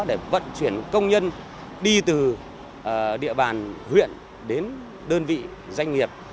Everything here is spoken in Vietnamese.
để vận chuyển công nhân đi từ địa bàn huyện đến đơn vị doanh nghiệp